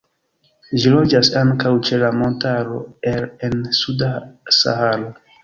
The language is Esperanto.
Ĝi loĝas ankaŭ ĉe la Montaro Air en suda Saharo.